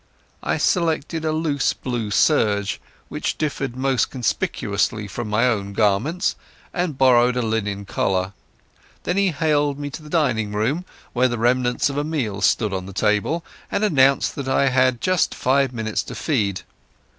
I selected a loose blue serge, which differed most conspicuously from my former garments, and borrowed a linen collar. Then he haled me to the dining room, where the remnants of a meal stood on the table, and announced that I had just five minutes to feed.